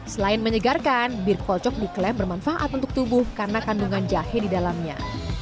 selain menyegarkan bir kolcok diklaim bermanfaat untuk tubuh karena kandungan jahe di dalamnya